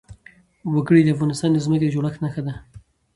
وګړي د افغانستان د ځمکې د جوړښت نښه ده.